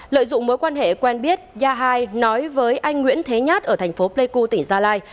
lợi dụng mối quan hệ quen biết gia hai nói với anh nguyễn thế nhát ở thành phố pleiku tỉnh gia lai